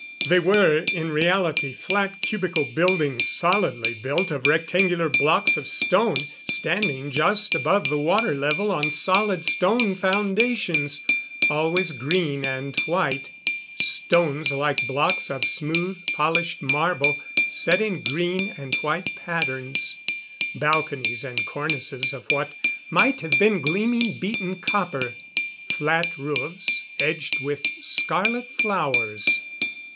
They were, in reality, flat cubical buildings solidly built of rectangular blocks of stone, standing just above the water level on solid stone foundations. Always green and white stones like blocks of smooth, polished marble, set in green and white patterns. Balconies and cornices of what might have been gleaming, beaten copper. Flat roofs, edged with scarlet flowers.